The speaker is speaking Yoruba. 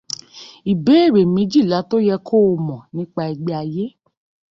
Ìbéèrè méjìlá tó yẹ kóo mọ̀ nípa ẹgbẹ́ Àiyé.